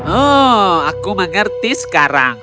oh aku mengerti sekarang